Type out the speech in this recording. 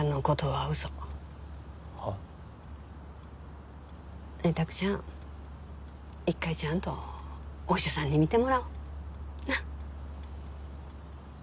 はっ？ねえ拓ちゃん１回ちゃんとお医者さんに診てもらおうなっ？